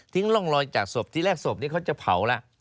ทิ้งร่องลอยจากศพที่นี่แรกศพจะเผาแล้ว